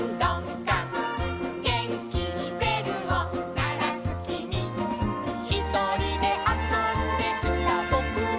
「げんきにべるをならすきみ」「ひとりであそんでいたぼくは」